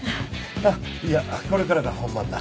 いやこれからが本番だ。